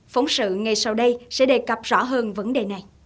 phóng sự ngay sau đây sẽ đề cập rõ hơn vấn đề này